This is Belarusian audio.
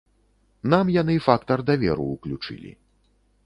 Нам яны фактар даверу ўключылі.